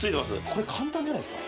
これ簡単じゃないっすか？